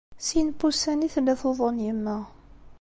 Sin n wussan i tella tuḍen yemma.